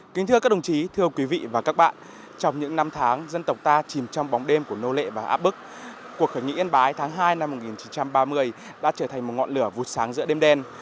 kính thưa các đồng chí thưa quý vị và các bạn trong những năm tháng dân tộc ta chìm trong bóng đêm của nô lệ và áp bức cuộc khởi nghĩa yên bái tháng hai năm một nghìn chín trăm ba mươi đã trở thành một ngọn lửa vụt sáng giữa đêm đen